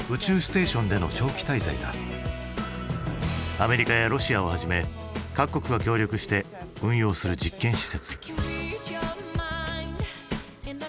アメリカやロシアをはじめ各国が協力して運用する実験施設。